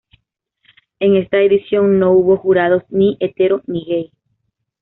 En esta edición no hubo jurados, ni hetero ni gay.